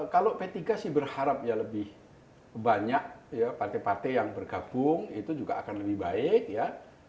kalau p tiga sih berharap ya lebih banyak ya partai partai yang bergabung itu juga akan lebih baik ya